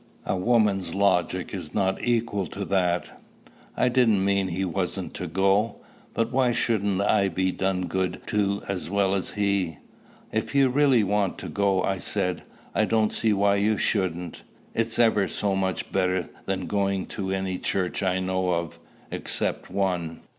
A woman's logic is not equal to that." "I didn't mean he wasn't to go. But why shouldn't I be done good to as well as he?" "If you really want to go," I said, "I don't see why you shouldn't. It's ever so much better than going to any church I know of except one.